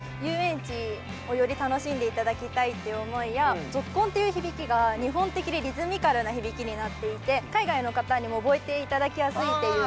こちらの乗り物を通して、遊園地をより楽しんでいただきたいっていう思いや、ゾッコンという響きが、日本的でリズミカルな響きになっていて、海外の方にも覚えていただきやすいっていう。